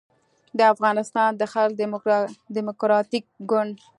د افغانستان د خلق دیموکراتیک ګوند